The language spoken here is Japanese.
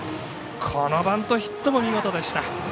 このバント、ヒットも見事でした。